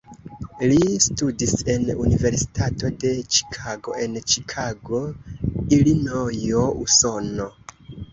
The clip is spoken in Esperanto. Li studis en Universitato de Ĉikago en Ĉikago, Ilinojo, Usono.